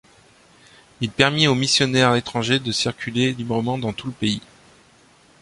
Il permit aux missionnaires étrangers de circuler librement dans tout le pays.